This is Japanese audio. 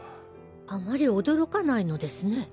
あまり驚かないのですね。